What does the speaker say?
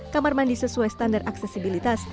kamar mandi sesuai standar aksesibilitas